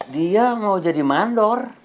dia mau jadi mandor